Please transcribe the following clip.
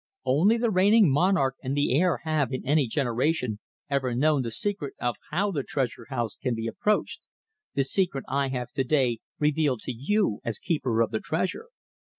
Only the reigning monarch and the heir have, in any generation, ever known the secret of how the Treasure house can be approached the secret I have to day revealed to you as Keeper of the Treasure."